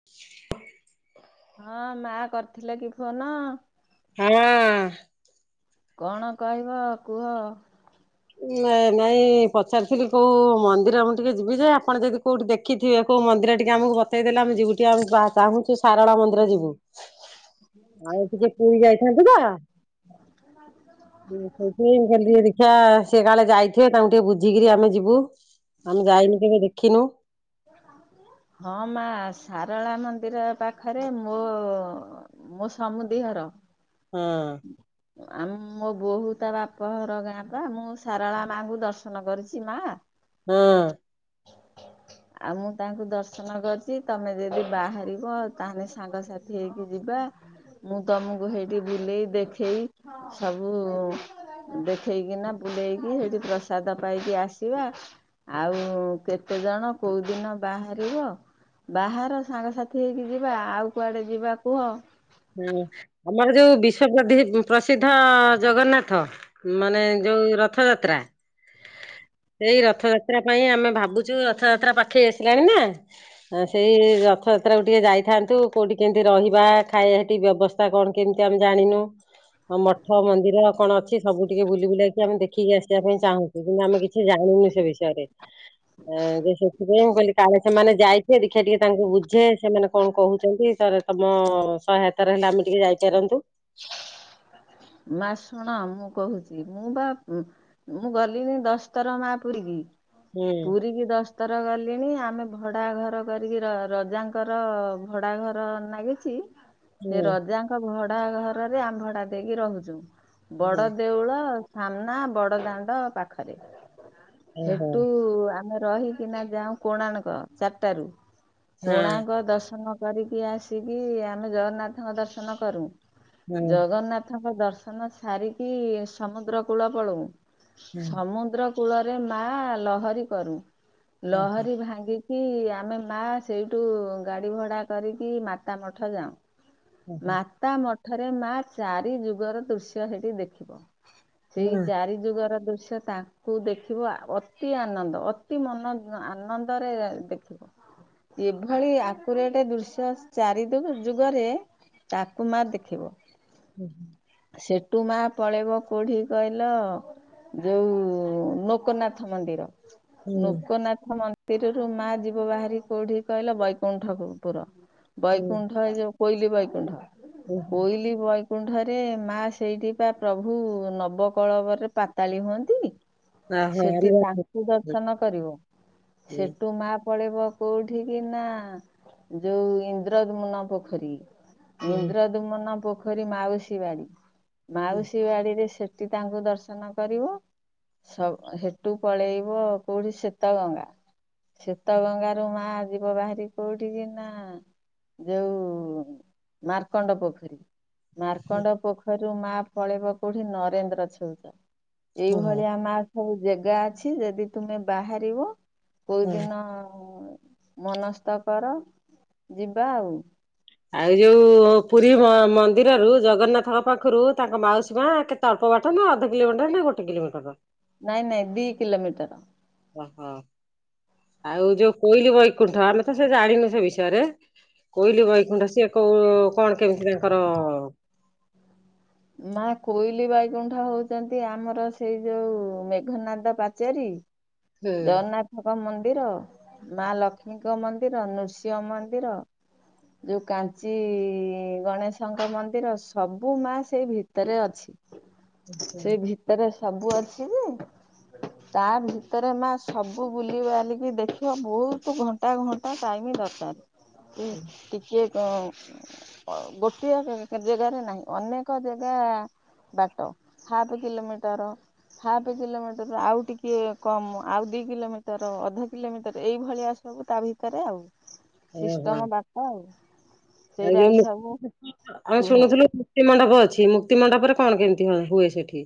[unintelligible] ହଁ ମା କରିଥିଲେ କି ଫୋନ? ହଁ। କଣ କହିବ କୁହ। ନାଇଁ ନାଇଁ ପଚାରିଥିଲି କୋଉ ମନ୍ଦିର ମୁଁ ଟିକେ ଯିବି ଯେ ଆପଣ ଯଦି କୋଉଠି ଦେଖି ଦେଖିଥିବେ କୋଉ ମନ୍ଦିର ଟିକେ ଆମକୁ ବତେଇଦେଲେ ଆମେ ଯିବୁ ଟିକେ ଭାଵୁ ଛୁ ସାରଳା ମନ୍ଦିର ଯିବୁ। ଆଉ ଟିକେ ପୁରୀ ଯାଇଥାନ୍ତୁତ? [unintelligible] ସେଇ ପାଇଁ ମୁଁ କହିଲି ଟିକିଏ ଦେଖିଆ ସିଏ କାଳେ ଯାଇଥିବେ ତାଙ୍କୁ ଟିକେ ବୁଝିକିରି ଆମେ ଯିବୁ ଆମେ ଯାଇନୁ ଟିକେ ଦେଖିନୁ। ହଁ ମା ସାରଳା ମନ୍ଦିର ପାଖରେ ମୋ ମୋ ସମୁଦି ଘର। ହୁଁ। ଆମ ମୋ ବୋହୁ ତା ବାପଘର ଗାଁ ପା ମୁଁ ସାରଳା ମାଙ୍କୁ ଦର୍ଶନ କରିଛି ମା। ହଁ। ଆଉ ମୁଁ ତାଙ୍କୁ ଦର୍ଶନ କରିଚି ତମେ ଯଦି ବାହାରିବ ତାହେଲେ ସାଙ୍ଗସାଥି ହେଇକି ଯିବା। ମୁଁ ତମକୁ ହେଟି ବୁଲେଇ ଦେଖେଇ ସବୁ ଦେଖେଇକିନା ବୁଲେଇକି ହେଇଟି ପ୍ରସାଦ ପାଇକି ଆସିବା। ଆଉ କେତେ ଜଣ କୋଉ ଦିନ ବାହାରିବ? ବାହାର ସାଙ୍ଗସାଥି ହେଇକି ଯିବା ଆଉ କୁଆଡେ ଯିବା କୁହ? ହୁଁ ଆମର ଯୋଉ ବିଶ୍ଵ ପ୍ରଦି ପ୍ରସିଦ୍ଧ ଜଗନ୍ନାଥ। ମାନେ ଯୋଉ ରଥଯାତ୍ରା। ସେଇ ରଥଯାତ୍ରା ପାଇଁ ଆମେ ଭାବୁଛୁ ରଥଯାତ୍ରା ପାଖେଇ ଆସିଲାଣି ନା ହଁ ସେଇ ରଥଯାତ୍ରାକୁ ଟିକେ ଯାଇଥାନ୍ତୁ କେଉଁଠି କେମିତି ରହିବା? ଖାଇବା ହେଟି ବ୍ୟବସ୍ଥା କଣ କେମିତି ଆମେ ଜାଣିନୁ। ହଁ ମଠ ମନ୍ଦିର କଣ ଅଛି ସବୁ ଟିକେ ବୁଲି ବୁଲାକି ଆମେ ଦେଖିକି ଆସିବା ପାଇଁ ଚାହୁଁଛୁ। ମୁଁ କହିଲି ଆମେ କିଛି ଜାଣିନୁ ସେ ବିଷୟରେ? ଆ ସେଥିପାଇଁ ମୁଁ କହିଲି କାଳେ ସେମାନେ ଯାଇଥିବେ ଦେଖିଆ ଟିକେ ତାଙ୍କୁ ବୁଝେ। ସେମାନେ କଣ କହୁଛନ୍ତି। ତାପରେ ତମ ସହାୟତା ଆରେ ହେଲେ ଆମେ ଟିକେ ଯାଇପାରନ୍ତୁ। ମା ଶୁଣ ମୁଁ କହୁଛି ମୁଁ ବା ମୁଁ ଗଲିଣିି ଦଶ ଥର ମା ପୁରୀ କି। ହୁଁ ପୁରୀ କିି ଦଶ ଉତର ଗଲିଣି ଆମେ ଭଡ଼ା ଘର କରିକି ରଜାଙ୍କର ଭଡ଼ା ଘର ନାଗିଛି। ସେ ହୁଁ ରଜାଙ୍କ ଭଡା ଘରରେ ଆମ୍ଭଡା ଦେଇକି ରହୁଛୁ। ହୁଁ ବଡ ଦେଉଳ ସାମ୍ନା ବଡ ଦାଣ୍ଡ ପାଖରେ ଓହୋ ସେଠୁ ଆ ଆମେ ରହିକିନା ଯାଉ କୋଣାର୍କ ଚାରିଟାରୁ। ହଁ କୋଣାର୍କ ଦର୍ଶନ କରିକି ଆସିକି ଆମେ ଜଗନ୍ନାଥଙ୍କ ଦର୍ଶନ କରୁ। ହଁ ଜଗନ୍ନାଥଙ୍କ ଦର୍ଶନ ସାରିକି ସମୁଦ୍ର କୂଳ ପଳଉ। ସମୁଦ୍ର କୂଳରେ ମା ଲହରୀ କରୁ। ହଁ ଲହରୀ ଭାଙ୍ଗିକି କି ଆମେ ମା ସେଇଠୁ ଗାଡି ଭଡା କରିକି ମାତା ମଠ ଯାଉ। ହଁ ହଁ। ମାତା ମଠରେ ମା ଚାରି ଯୁଗର ଦୃଶ୍ୟ ହେଠି ଦେଖିବ। ସେଇ ହଁ। ଚାରି ଯୁଗର ଦୃଶ୍ୟ ତା କୁ ଦେଖିବ ଅତି ଆନନ୍ଦ ଅତି ମନ ଆନନ୍ଦରେ ଦେଖିବ। ଏଭଳି ଆକୁରେଟେ ରେ ଦୃଶ୍ୟ ଚାରି ଯୁଗରେ ତାକୁ ମା ଦେ ଥିବ। ଉଁ ହୁଁ। ସେଠୁ ମା ପଳେଇବ କେଉଠିକି କହିଲ? ଯୋଉ ଲୋକନାଥ ମନ୍ଦିର ଲୋକନାଥ ମନ୍ଦି ପିରି ରୁ ମା ଯିବ ବାହାରି କୋଉଠି କହିଲା ବୈକୁଣ୍ଠ ପୁର। ବୈକୁଣ୍ଠ ଏ ଯୋଉ କୋଇଲି ବୈକୁଣ୍ଠ। କୋଇଲି ବୈ ବୈକୁଣ୍ଠ ରେ ମା ସେଇଠି ବା ପ୍ରଭୁ ନବକଳବରେ ପାତାଳି ହୁଅନ୍ତି? ସେଠି ତାଙ୍କୁ ଦର୍ଶନ କରିବ। ସେଠୁ ମା ପଳେଇବ କୋଉଠି କି ନା ଯୋଉ ଇନ୍ଦ୍ରମୁନ ପୋଖରୀ। ଇନ୍ଦ୍ରଦୁମନ ପୋଖରୀ ମାଉସୀ ବାଡି। ମାଉସୀ ବାଡିରେ ସେ ଟି ତାଙ୍କୁ ଦର୍ଶନ କରିବ। ସ ହେଟୁ ପଳେଇବ କୋଉଠି ଶେତ ଗଙ୍ଗା। ଶୀତ ଗଙ୍ଗାରୁ ମା ଯିବ ବାହାରି କୋଉଠି କି ନା ଯୋଉ ମାର୍କଣ୍ଡ ପୋଖରୀ। ମାର୍କଣ୍ଡ ପୋଖରୀ ଯୋଉ ମା ପଳେଇବ କୋଉଠି ନରେନ୍ଦ୍ର ଛେଉଚ ଏଇଭଳିଆ ମା ସବୁ ଜାଗା ଅଛି। ଯଦି ତୁମେ ବାହାରିବ କୋଉଦିନ ମନସ୍ତ କର ଯିବା ଆଉ। ଆଉ ଯୋଉ ପୁରୀ ମନ୍ଦିରରୁ ଜଗନ୍ନାଥଙ୍କ ପାଖରୁ ତାଙ୍କ ମାଉସୀ ମା କେ ଅଳ୍ପ ବାଟ ନା ଅଧ କିଲୋମିଟର ନା ଗୋଟେ କିଲୋମିଟର? ନାଇଁ ନାଇଁ ଦି କିଲୋମିଟର। ଓହୋ ଆଉ ଯୋଉ କୋଇଲି ବୈକୁଣ୍ଠ ଆମେ ତ ସେ ଜାଣିନୁ ସେ ବିଷୟରେ? କୋଇଲି ବୈକୁଣ୍ଠ ସିଏ କୋଉ କଣ କେମିତି ତାଙ୍କର ମା କୋଇଲି ବୈକୁଣ୍ଠ ହଉଛନ୍ତି ଆମର ସେଇ ଯୋଉ ମେଘନାଦ ପାଚେରୀ ହୁଁ ଜଗନ୍ନାଥଙ୍କ ମନ୍ଦିର, ମା ଲକ୍ଷ୍ମୀଙ୍କ ମନ୍ଦିର, ନୃସିଂହ ମନ୍ଦିର ଯୋଉ କାଞ୍ଚି ଗଣେଶଙ୍କ ମନ୍ଦିର ସବୁ ମା ସେଇ ଭିତରେ ଅଛି। ହୁଁ, ସେ ଭିତରେ ସବୁ ଅଛି ଯେ ତା ଭି ଭିତରେ ମା ସବୁ ବୁଲି ବାଲିକି ଦେଖିବ ବହୁତ ଘଣ୍ଟା ଘଣ୍ଟା ଟାଇମ୍ ଦରକାର। ଏ ହୁଁ। ଟିକେ କୁଁ ଅ ଗୋଟିଏ [unintelligible] ଜାଗାରେ ନାହିଁ ଅନେକ ଜାଗା ବାଟ ହାଫ କିଲୋମିଟର ହାଫ୍ କିଲୋମିଟରରୁ ଆଉ ଟିକେ କମ ଆଉ ଦି କିଲୋମିଟର ଅଧ କିଲୋମିଟର ଏଇଭଳିଆ ସବୁ ତା ଭିତରେ ଆଉ। ସିଷ୍ଟମ ବାଟ ଆଉ। ଆ ସେଇଟା ଯୋଉ ସବୁ ଲୋ ଆଉ କୁହ ଶୁଣୁଥିଲୁ ମୁ କ୍ତିମଣ୍ଡପ ଅଛି ମୁକ୍ତିମଣ୍ଡପରେ କଣ କେମିତି ହ ହୁଏ ସେଠି?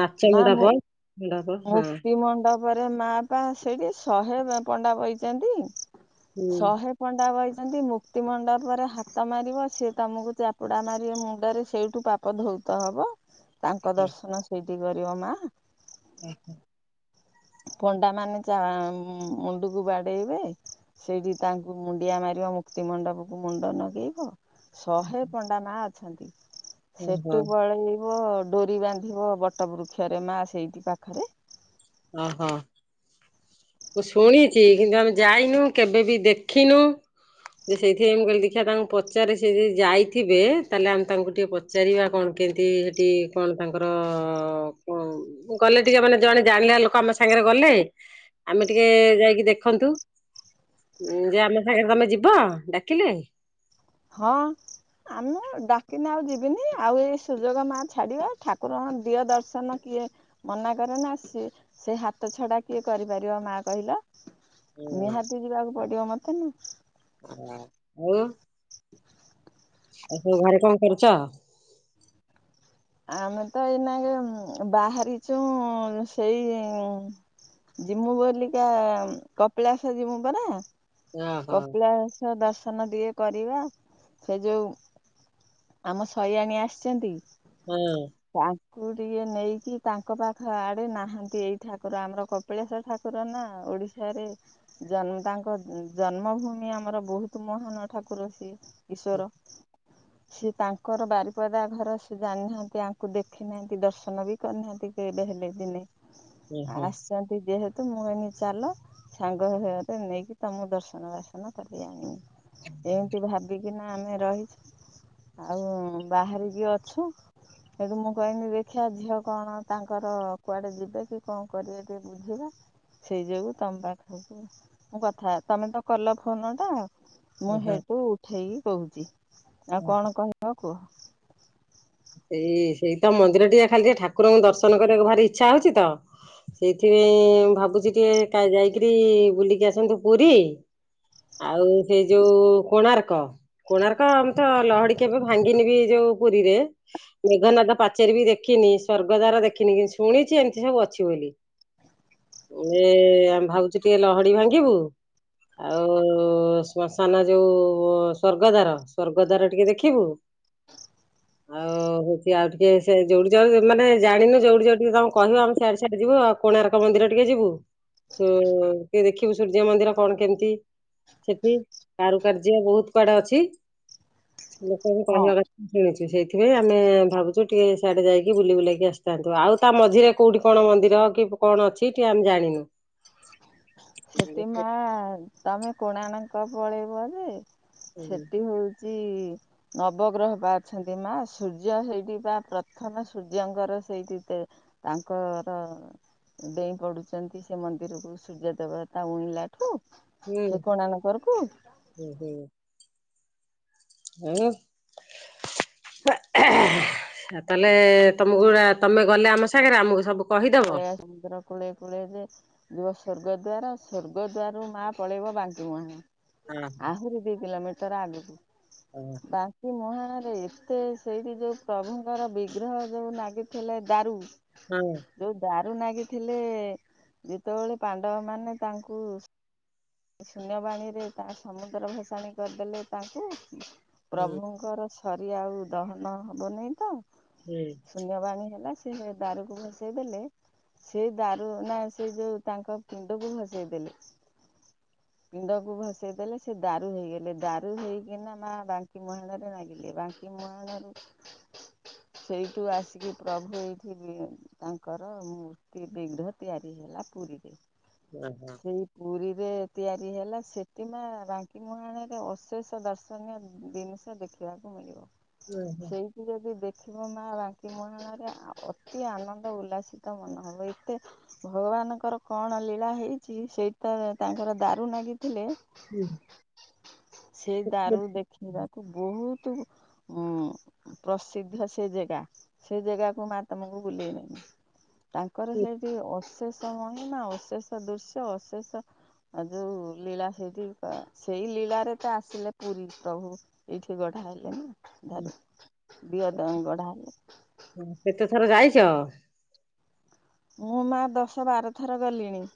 ନାଚ ମା ମଣ୍ଡପ ମଣ୍ଡପ ହଁ। ପରେ ମା ପା ସେଇଠି ଶହେ ପ ପଣ୍ଡା ବଇଛନ୍ତି। ହୁଁ। ଶହେ ପଣ୍ଡା ବଇଛନ୍ତି ମୁକ୍ତି ମଣ୍ଡପରେ ହାତ ମାରିବ ସିଏ ତମକୁ ଚାପୁଡ଼ା ମାରିବେ ମୁଣ୍ଡରେ ସେଇଠୁ ପା ପ ଧୌତ ହବ ତାଙ୍କ ଦର୍ଶନ ସେଇଠି କରିବ ମା। ଉଁ ହୁଁ। ପଣ୍ଡା ମାନେ ଯା ମୁଁ ମୁଣ୍ଡକୁ ବାଡ଼େଇବେ ସେଇଠି ତାଙ୍କୁ ମୁଣ୍ଡିଆ ମାରିବ ମୁକ୍ତିମଣ୍ଡପକୁ ମୁଣ୍ଡ ନଗେଇବ ଶହେ ପଣ୍ଡା ମା ଅଛନ୍ତି ଓହୋ ସେଠୁ ପଳେଇବ ଡୋରି ବାନ୍ଧିବ ବଟ ବୃକ୍ଷରେ ମା ସେଇଠି ପାଖରେ। ଅଁ ହଁ। ମୁଁ ଶୁଣିଛି କିନ୍ତୁ ଆମେ ଯାଇନୁ କେବେ ବି ଦେଖିନୁ। ଯେ ସେଇଥିପାଇଁ କହିଲି ଦେଖିବା ତାଙ୍କୁ ପଚାରେ ସେ ଯଦି ଯାଇଥିବେ ତାହେଲେ ଆମେ ତାଙ୍କୁ ଟିକେ ପ ଚାରିବା କଣ କେମିତି ହେଠି କଣ ତାଙ୍କର [unintelligible] ଗଲେ ଟିକେ ମାନେ ଜଣେ ଜାଣିଲା ଲୋକ ଆମ ସାଙ୍ଗରେ ଗଲେ ଆମେ ଟିକେ ଯାଇକି ଦେଖନ୍ତୁ ଉଁ ଯେ ଆମ ସାଙ୍ଗରେ ତମେ ଯିବ ଡାକିଲେ? ହଁ। ଆମ ଡାକିନେ ଆଉ ଯିବିନି ଆଉ ଏଇ ସୁଯୋଗ ମା ଛାଡ଼ିବା ଠାକୁରଙ୍କ ଦିଅ ଦର୍ଶନ କିଏ ମନା କରେ ନା ସି ସେ ହାତ ଛଡ଼ା କିଏ କରିପାରିବ ମା କହିଲ? ଆଉ ନିହାତି ଯିବାକୁ ପଡ଼ିବ ମତେ ନା। ଉଁ ଆଉ? ଆଉ ସବୁ ଘରେ କଣ କରୁଚ? ଆମେ ତ ଏଇନାକେ ଉଁ ବାହାରିଛୁଁ ସେଇଁ ଜିବୁ ବୋଲିକା ଉଁ କପିଳାସ ଜିବୁ ପରା। ଓହୋ କପିଳାସ ଦର୍ଶନ ଟିକେ କରିବା ସେ ଯୋଉ ଆମ ଶଇଆଣି ଆସିଛନ୍ତି। ହଁ। ତାଙ୍କୁ ଟିକିଏ ନେଇକି ତାଙ୍କ ପାଖ ଆଡ଼େ ନାହାନ୍ତି ଏଇ ଠାକୁର ଆମର କ ପିଳାଶ ଠାକୁର ନାଁ ଓଡ଼ିଶାରେ ଜନ୍ମ ତାଙ୍କ ଜନ୍ମଭୂମି ଆମର ବୋହୁତୁ ମହାନ ଠାକୁର ସିଏ ଈଶ୍ଵର। ସିଏ ତାଙ୍କର ବାରିପଦା ଘର ସେ ଜାଣିନାହାଁନ୍ତି ଆଙ୍କୁ ଦେଖିନାହାନ୍ତି ଦର୍ଶନ ବି କରି ନାହାନ୍ତି କେବେ ହେଲେ ଦିନେ। ଓହୋ ଆସିଛନ୍ତି ଯେହେତୁ ମୁଁ କହିନି ଚାଲ ସାଙ୍ଗ [unintelligible] ରେ ନେଇକି ତମ ଦର୍ଶ ସନ ବାସନ କରେଇ ଆଣିବି ଏମିତି ଭାବିକିନା ଆମେ ରହିଛୁ। ଆଉ ବାହହାରିକି ଅଛୁ‌। ସେଠୁ ମୁଁ କହିନି ଦେଖିବା ଝିଅ କଣ ତାଙ୍କର କୁଆଡ଼େ ଯିବେ କି କଣ କରିବେ ଟିକେ ବୁ ଯୋଗୁ ସେଇଥି ଯୋଗୁ ତମ ପାଖରେ ମୁଁ କଥା ତମେ ତ କଲ ଫୋନ ଟା ମୁଁ ଓହୋ ହେଇଠୁ ଉଠେଇକି କହୁଛି ଆଉ ଓହୋ କଣ କହି ହ କୁହ। ଏଇ ସେଇ ତ ମନ୍ଦିର ଟିକେ ଖାଲି ଟିକେ ଠାକୁରଙ୍କୁ ଦର୍ଶନ କରିବାକୁ ଭାରି ଇଚ୍ଛା ହଉଛି ତ। ସେଇଥିପାଇଁ ଭାବୁଛି ଟିକେ ଯାଇକରି ବୁଲିକି ଆସନ୍ତୁ ପୁରୀ ଆଉ ସେ ଯୋଉ କୋଣାର୍କ କୋଣାର୍କ ମୁଁ ତ ଲହଡି କେବେ ଭାଙ୍ଗିନ ବି ଯୋଉ ପୁରୀରେ ମେଘନାଦ ପାଚେରି ବି ଦେଖିନି ସ୍ଵର୍ଗଦାର ଦେଖିନି କିନ୍ତୁ ଶୁଣିଛି ଏମିତି ସବୁ ଅଛି ବୋଲି। ଏ ଆମେ ଭାବୁଛି ଟିକେ ଲହଡି ଭାଙ୍ଗିବୁ ଆଉ ଶ୍ମଶାନ ଯୋଉ ସ୍ଵର୍ଗ ଦ୍ୱାର ସ୍ଵର୍ଗ ଦ୍ୱାର ଟିକେ ଦେଖିବୁ ଆଉ ହଉଛି ଆଉ ଟିକେ ସେ ଯଉଠି ଯୋଉ ମାନେ ଜାଣିନୁ ଯୋଉଠି ଯୋଉଠି ତମ କହିବ ଆମେ ସିଆଡେ ସିଆଡେ ଯିବୁ ଆଉ। କୋଣାର୍କ ମନ୍ଦିର ଟିକେ ଯିବୁ ଟେ ଦେଖିବୁ ସୂର୍ଯ୍ୟ ମନ୍ଦିର କଣ କେମିତି ସେଠି କାରୁକାର୍ଯ୍ୟ ବହୁତ କୁଆଡେ ଅଛି ଲୋକଙ୍କୁ ହଁ କହିବା କଥା ମୁଁ ଶୁଣିଛି। ସେଇଥିପାଇଁ ଆମେ ଭାବୁଛୁ ଟିକେ ସିଆଡ଼େ ଯାଇକି ବୁଲି ବୁଲେଇକି ଆସିଥାନ୍ତୁ ଆଉ ତା ମଝିରେ କଉଁଠି କଣ ମନ୍ଦିର କି କଣ ଅଛି ଟିକିଏ ଆମେ ଜାଣିନୁ। ସେଥିମା ତମେ କୋଣାର୍କ ପଳେଇବ ଯେ ହୁଁ ସେଠି ହଉଛି ନବଗ୍ରହ ବା ଅଛନ୍ତି ମା ସୂର୍ଯ୍ୟ ସେଇଠି ବା ପ୍ରଥମ ସୂର୍ଯ୍ୟଙ୍କର ସେଇଠି ତାଙ୍କର ଡେଇଁ ପଡୁଛନ୍ତି ସେ ମନ୍ଦିରକୁ। ସୂର୍ଯ୍ୟ ଦେବ ତା ଉଇଁଲା ଠୁ କୋଣାର୍କ କରକୁ ହୁଁ ହୁଁ? ହୁଁ? ତାହେଲେ ତମକୁ ତମେ ଗଲେ ଆମ ସାଙ୍ଗରେ ଆମକୁ ସବୁ କହିଦବ। ଓ ସମୁଦ୍ର କୂଳେଇ କୂଳେଇ ଯେ ଯିବ ସ୍ଵର୍ଗଦ୍ଵାର ସ୍ଵର୍ଗଦ୍ଵାର ରୁ ମା ପଳେଇବ ବାଙ୍କ ମୁଣ ହଁ ଆହୁରି ଦୁଇ କିଲୋମିଟର ଆଗକୁ। ହ? ବାଙ୍କି ମୁହାଣରେ ଏତେ ସେଇଠି ଯେଉଁ ପ୍ରଭୁଙ୍କର ବିଗ୍ରହ ଯେଉଁ ନାଗିଥିଲେ ଦାରୁ ହଁ? ଯୋଉ ଦାରୁ ନାଗିଥିଲେ ଯେତେବେଳେ ପାଣ୍ଡବ ମାନେ ତାଙ୍କୁ ଶୂନ୍ୟବାଣୀରେ ତା ସମୁଦ୍ର ଭସାଣି କରିଦେଲେ ତାଙ୍କୁ ପ୍ରଭୁଙ୍କର ଥରି ଆଉ ଦହନ ହେବନି ତ ଶୂନ୍ୟବାଣୀ ହେଲା ସେ ଦାରୁକୁ ଭସେଇ ଦେଲେ ସେ ଦାରୁ ନା ସେ ଯୋଉ ତାଙ୍କ ପିଣ୍ଡକୁ ଭସେଇ ଦେଲେ ପିଣ୍ଡକୁ ଭସେଇ ଦେଲେ ସେ ଦାରୁ ହେଇଗଲେ ଦାରୁ ହେଇକିନା ମା ବାଙ୍କି ମୁଁହାଣରେ ନାଗିଲେ ବାଙ୍କି କି ମୁଁହାଣ ରେ ସେଇଠୁ ଆସିକି ପ୍ରଭୁ ଏଇଠି ତାଙ୍କର ମୂର୍ତ୍ତି ବିଘ୍ର ତିଆରି ହେଲା ପୁରୀରେ। ଓ ହୋ। ସେଇ ପୁରୀରେ ତିଆରି ହେଲା ସେଠୀ ମା ବାଙ୍କିମୁଁହାଣରେ ଅଶେଷ ଦର୍ଶନୀୟ ଜିନିଷ ଦେଖ। କିବାକୁ ମିଳିବ। ହୁଁ ହୁଁ। ସେଇଠି ଯଦି ଦେଖିବ ମା ବାଙ୍କି ମୁଁହାଣରେ ଅତି ଆନନ୍ଦ ଉଲ୍ଲାସିତ ମନେ ହବ ଏତେ। ଭଗବାନଙ୍କର କଣ ଲୀଳା ହେଇଛି ସେଇଟ ତାଙ୍କର ଦାରୁ ନାଗିଥିଲେ। ହୁଁ। ସେଇ ଦାରୁ ଦେଖିବାକୁ ବହୁତୁ, ଉଁ। ପ୍ରସିଦ୍ଧ ସେ ଜାଗା ସେ ଜାଗାକୁ ମା ତମକୁ ବୁଲେଇ ବେନି। ତାଙ୍କର ସେଇଠି ଅଶେଷ ମହିମା, ଅଶେଷ ଦୃଶ୍ୟ, ଅଶେଷ ଆଉ ଯୋଉ ଲୀଳା ସେଇଠି ପା, ସେଇ ଲୀଳାରେ ତ ଆସିଲେ ପୁରୀ ପ୍ରଭୁ। ଏଇଠି ଗଢା ହେଲେ ନା ଦାରୁ ଦିଅ ଦ ଗଢା ହେଲେ। ହ କେତେ ଥର ଯାଇଛ? ମୁଁ ମା ଦଶ ବାର ଥର ଗଲିଣି।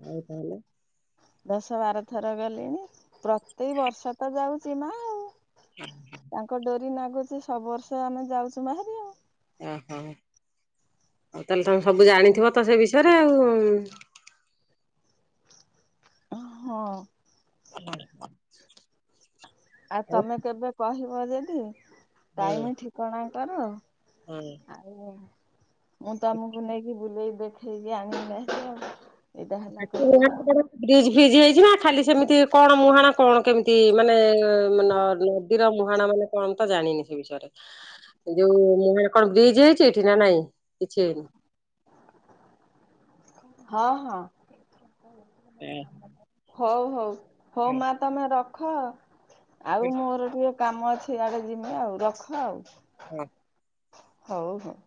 ଆଉ ତାହେଲେ ଦଶ ବାର ଥର ଗଲିଣି। ପ୍ରତି ବର୍ଷ ତ ଯାଉଛି ମା ଆଉ। ହଁ। ତାଙ୍କ ଡୋରି ନାଗୁଛି ସବୁ ବର୍ଷ ଆମେ ଯାଉଛୁ ବାହାରି। ଓହୋ। ଆଉ ତାହେଲେ ତମେ ସବୁ ଜାଣିଥିବ ତ ସେ ବିଷୟରେ ଆଉ। ହଁ। ହୁଁ। ଆଉ ତମେ କେବେ କହିବ ଯଦି, ଟାଇମ୍ ଠିକଣା ତାର ହୁଁ। ଆଉ ମୁଁ ତମକୁ ନେଇକି ବୁଲେଇି ଦେଖେଇକି ଆଣିକି ନେଇଆସିବି ଆଉ। ଏଇଟା ହେଲା କଥା [unintelligible] ଫ୍ରିଜ୍, ଫ୍ରିଜ୍ ହେଇଛି ନା ଖାଲି ସେମିତି କଣ ମୁହାଣ କଣ କେମିତି ମାନେ କ୍ଷୀର ମୁହାଣ ମାନେ କଣ ତ ଜାଣିନି ସେ ବିଷୟରେ। ଯୋଉ ମୁହଁଳା କଣ ବ୍ରିଜ୍ ହେଇଛି ଏଇଠି ନା ନାଇଁ? କିଛି ହେଇନି। ହଁ ହଁ। ହୋଉ ହୋଉ। ହୋଉ ମା ତମେ ରଖ ଆଉ ହେଇନି ମୋର ଟିକେ କାମ ଅଛି ଇଆଡେ ଯିମୁ ଆଉ ରଖ ଆଉ। ଉଁ। ହୋଉ ହୋଉ।